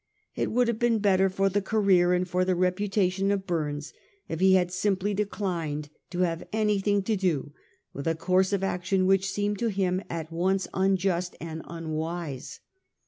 It would have been better for the career and for the reputation of Bumes if he had simply declined to have anything to do with a course of action which seemed to him at once unjust and unwise.